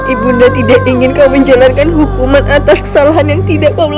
ibu nang tidak ingin kau menjalankan hukuman atas kesalahan yang tidak terjadi